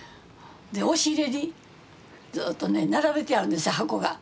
押し入れにずっとね並べてあるんです箱が。